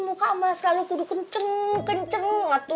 muka mah selalu kudu kenceng kenceng